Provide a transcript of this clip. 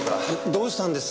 どうしたんです？